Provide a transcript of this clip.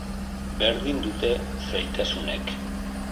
Berdin dute zailtasunek.